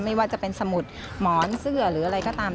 ไม่ว่าจะเป็นสมุดหมอนเสื้อหรืออะไรก็ตาม